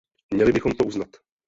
Měli bychom to uznat.